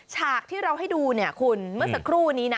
ฉากที่เราให้ดูเนี่ยคุณเมื่อสักครู่นี้นะ